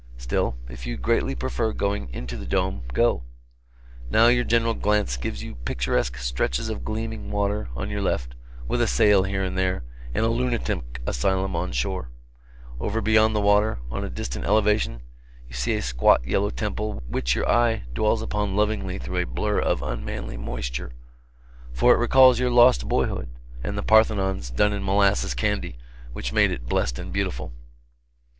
Still, if you greatly prefer going into the dome, go. Now your general glance gives you picturesque stretches of gleaming water, on your left, with a sail here and there and a lunatic asylum on shore; over beyond the water, on a distant elevation, you see a squat yellow temple which your eye dwells upon lovingly through a blur of unmanly moisture, for it recalls your lost boyhood and the Parthenons done in molasses candy which made it blest and beautiful.